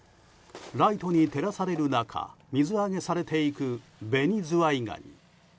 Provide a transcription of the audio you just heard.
ライトに照らされる中水揚げされていくベニズワイガニ。